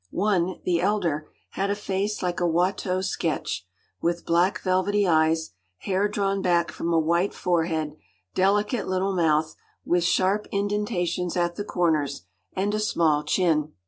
One, the elder, had a face like a Watteau sketch, with black velvety eyes, hair drawn back from a white forehead, delicate little mouth, with sharp indentations at the corners, and a small chin.